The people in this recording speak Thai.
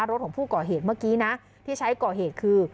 รถของผู้ก่อเหตุเมื่อกี้นะที่ใช้ก่อเหตุคือ